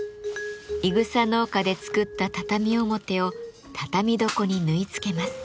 いぐさ農家で作った畳表を畳床に縫い付けます。